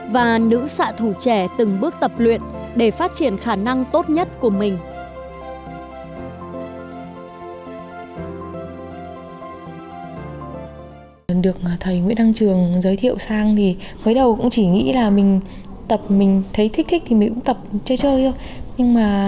và nữ xạ thủ trẻ từng bước tập luyện để phát triển khả năng tốt nhất của mình